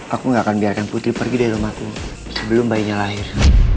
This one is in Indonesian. aku gak akan biarkan putri pergi dari rumahku sebelum bayinya lahir